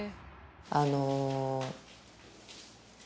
あの。